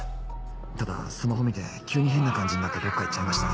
ただスマホ見て急に変な感じになってどっか行っちゃいました。